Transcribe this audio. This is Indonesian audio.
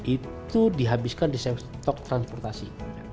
itu dihabiskan di stok transportasi